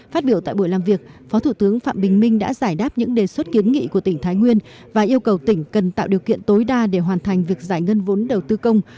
phát biểu tại buổi làm việc phó thủ tướng phạm bình minh đã giải đáp những đề xuất kiến nghị của tỉnh thái nguyên và yêu cầu tỉnh cần tạo điều kiện tối đa để hoàn thành việc giải ngân vốn đầu tư công